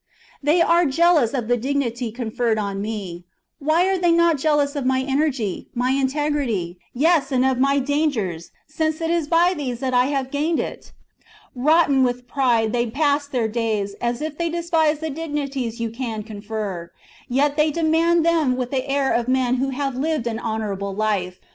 They are jealous of the dignity conferred on me ; why are they not jealous of my energy, my integrity, yes, and of my dangers, since it is by these that I have gained it .* Rotten with pride, they pass their days, as if they despised the 'dignities you can confer ; yet they demand them with the air of men who have lived an honourable life.